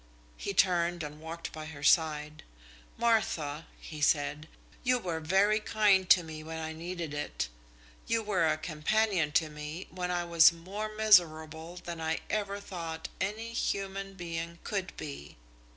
He turned and walked by her side. "Martha," he said, "you were very kind to me when I needed it, you were a companion to me when I was more miserable than I ever thought any human being could be.